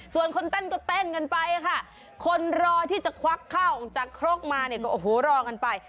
ส่วนคนเต้นก็เต้นกันไปค่ะคนรอที่จะควักข้าวออกจากครกมาเนี่ยก็โอ้โหรอกันไป